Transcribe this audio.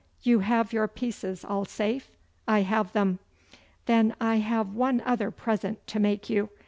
You have your pieces all safe?' 'I have them.' 'Then I have one other present to make you.